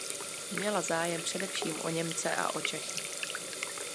Měla zájem především o Němce a o Čechy.